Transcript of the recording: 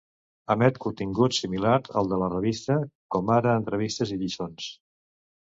Emet contingut similar al de la revista, com ara entrevistes i lliçons.